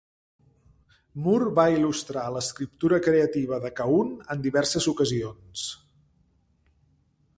Moore va il·lustrar l'escriptura creativa de Cahun en diverses ocasions.